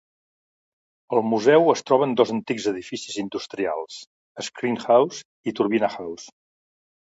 El museu es troba en dos antics edificis industrials, Screen House i Turbine House.